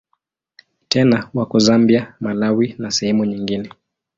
Tena wako Zambia, Malawi na sehemu nyingine.